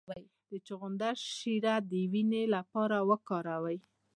د چغندر شیره د وینې لپاره وکاروئ